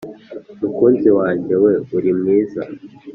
Mukunzi wanjye we, uri mwiza